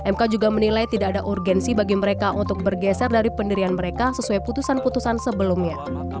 mk juga menilai tidak ada urgensi bagi mereka untuk bergeser dari pendirian mereka sesuai putusan putusan sebelumnya